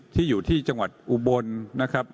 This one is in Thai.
อยู่ที่จังหวัดอุบลนะครับ